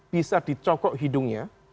bisa dicokok hidungnya